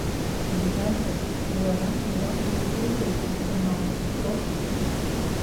Бзаза, уара уа узгылоузеи, умааскьо?